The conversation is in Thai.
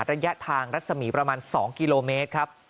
ระยะทางรัศมีประมาณ๒กิโลเมตรครับ